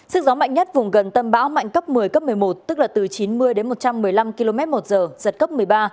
sức gió mạnh nhất vùng gần tâm bão mạnh cấp một mươi cấp một mươi một tức là từ chín mươi đến một trăm một mươi năm km một giờ giật cấp một mươi ba